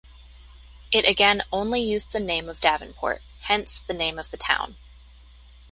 It again only used the name of Davenport; hence, the name of the town.